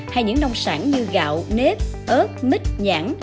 hay những nông sản như gạo nếp ớt mít nhãn